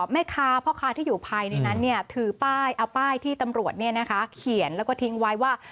แม่ค้าพ่อค้าที่อยู่ภายในนั้นถือป้ายเอาป้ายที่ตำรวจเขียนแล้วก็ทิ้งไว้ว่า